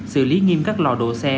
xử lý nghiêm các lò đổ xe